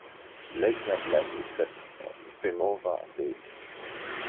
Legs are black except femora base.